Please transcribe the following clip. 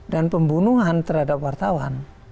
dan pembunuhan terhadap wartawan